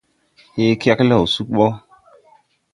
Hee kelɛlɛw sug ɓɔ.